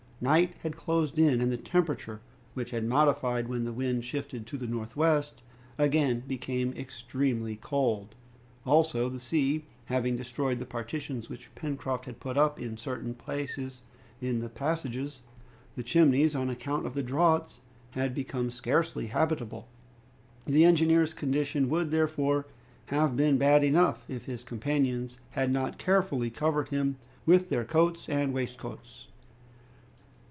Night had closed in, and the temperature, which had modified when the wind shifted to the northwest, again became extremely cold. Also, the sea having destroyed the partitions which Pencroft had put up in certain places in the passages, the Chimneys, on account of the draughts, had become scarcely habitable. The engineer's condition would, therefore, have been bad enough, if his companions had not carefully covered him with their coats and waistcoats.